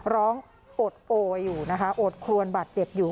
ร้องโอดโออยู่นะคะโอดครวญบาดเจ็บอยู่